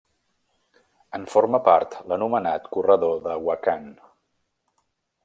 En forma part l'anomenat Corredor de Wakhan.